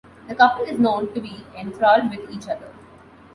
The couple is known to be enthralled with each other.